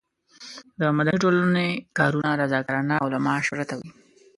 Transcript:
د مدني ټولنې کارونه رضاکارانه او له معاش پرته وي.